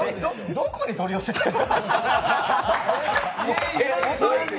どこに取り寄せてんの？